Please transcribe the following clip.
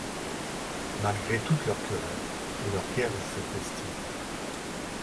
Malgré toutes leurs querelles, leurs guerres intestines…